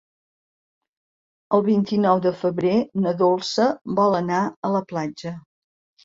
El vint-i-nou de febrer na Dolça vol anar a la platja.